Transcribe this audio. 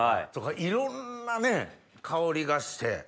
いろんな香りがして。